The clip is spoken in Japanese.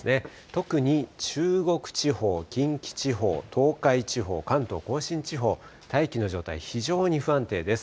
特に中国地方、近畿地方、東海地方、関東甲信地方、大気の状態、非常に不安定です。